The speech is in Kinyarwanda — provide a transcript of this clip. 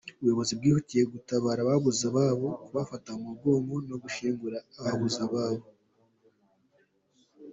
Ubuyobozi bw’ihutiye gutabara ababuze ababo, kubafata mu mugongo no kubafasha muburyo bwogushyingura ababo.